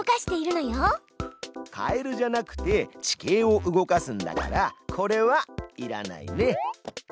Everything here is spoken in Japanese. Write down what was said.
カエルじゃなくて地形を動かすんだからこれはいらないね。